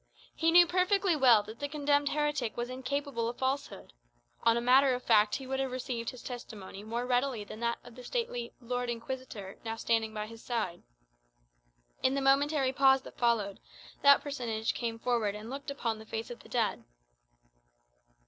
He knew perfectly well that the condemned heretic was incapable of falsehood: on a matter of fact he would have received his testimony more readily than that of the stately "Lord Inquisitor" now standing by his side. In the momentary pause that followed, that personage came forward and looked upon the face of the dead.